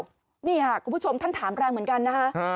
เอิ่มวันนี้คุณผู้ชมถามแรงเหมือนกันนะคะ